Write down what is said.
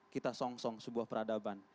kita song song sebuah peradaban